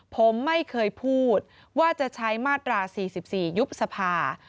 ผมไม่เคยพูดว่าจะใช้มาตรา๔๔ยุบสภา